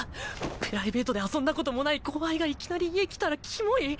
プライベートで遊んだこともない後輩がいきなり家来たらきもい？